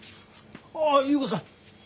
ああっ優子さん。